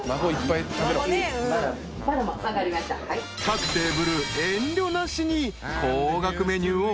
［各テーブル遠慮なしに］